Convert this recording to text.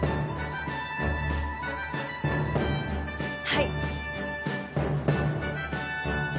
はい！